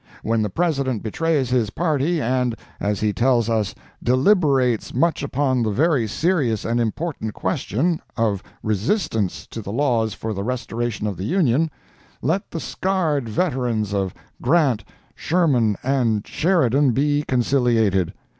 When the President betrays his party and, as he tells us "deliberates much upon the very serious and important question" of resistance to the laws for the restoration of the Union, let the scarred veterans of Grant, Sherman and Sheridan, be conciliated.